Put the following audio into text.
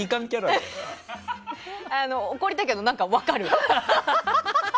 怒りたいけど、何か分かる。